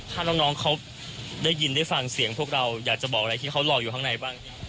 ถ้าน้องเขาได้ยินได้ฟังเสียงพวกเราอยากจะบอกอะไรที่เขารออยู่ข้างในบ้าง